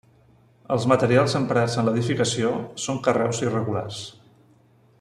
Els materials emprats en l'edificació són carreus irregulars.